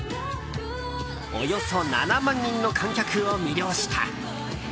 およそ７万人の観客を魅了した。